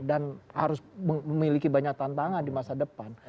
dan harus memiliki banyak tantangan di masa depan